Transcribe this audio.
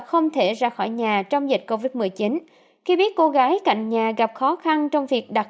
không thể ra khỏi nhà trong dịch covid một mươi chín khi biết cô gái cạnh nhà gặp khó khăn trong việc đặt